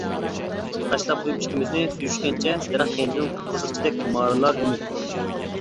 تاشلاپ قويۇپ ئىككىمىزنى سۆيۈشكەنچە، دەرەخ كەينىدىن قىزىقچىدەك مارىلار ئۈمىد.